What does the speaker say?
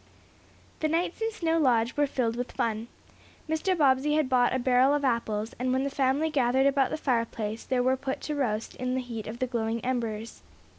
The nights in Snow Lodge were filled with fun. Mr. Bobbsey had bought a barrel of apples, and when the family gathered about the fireplace there were put to roast in the heat of the glowing embers.